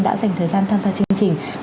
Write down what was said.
đã dành thời gian tham gia chương trình